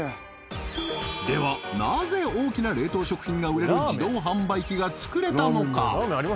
ではなぜ大きな冷凍食品が売れる自動販売機が作れたのか？